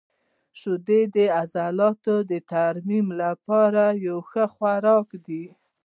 • شیدې د عضلاتو د ترمیم لپاره یو ښه خواړه دي.